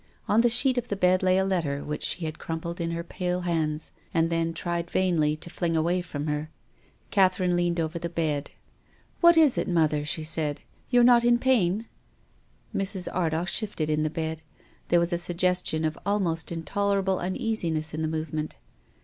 On the sheet of the bed lay a letter which she had crumpled in her pale hands and then tried, vainly, to fling away from her. Catherine leaned over the bed. "What is it, mother?" she said. "You are not in pain ?" Mrs. Ardagh shifted in the bed. There was a suggestion of almost intolerable uneasiness in the movement.